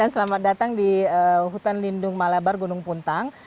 selamat datang di gunung puntang